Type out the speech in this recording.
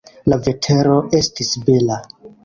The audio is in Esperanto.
La vetero estis bela.